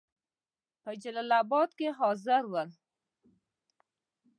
په جلال آباد کې حاضر ول.